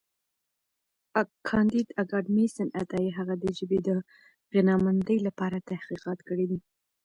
کانديد اکاډميسن عطايي هغه د ژبې د غنامندۍ لپاره تحقیقات کړي دي.